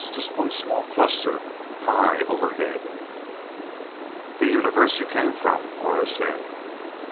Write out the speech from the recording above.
Just one small cluster, high overhead. "The Universe you came from," Aura said.